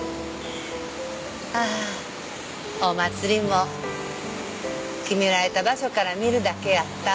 ああお祭りも決められた場所から見るだけやった。